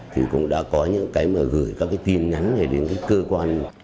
thì cũng đã có những cái mà gửi các cái tin nhắn này đến cái cơ quan